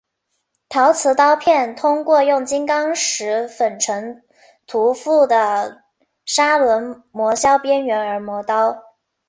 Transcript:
陶瓷刀片通过用金刚石粉尘涂覆的砂轮磨削边缘而磨刀。